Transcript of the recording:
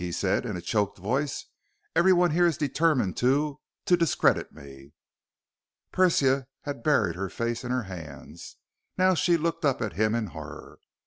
he said in a choked voice. "Everyone here is determined to ... to discredit me." Persia had buried her face in her hands. Now she looked up at him in horror.